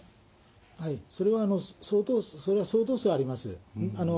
それはね、それは相当数あります。